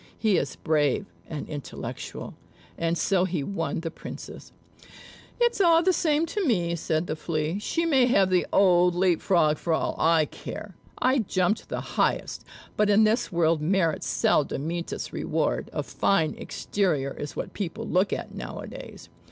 He is brave and intellectual." And so he won the Princess. "It's all the same to me," said the Flea. "She may have the old Leap frog, for all I care. I jumped the highest; but in this world merit seldom meets its reward. A fine exterior is what people look at now a days."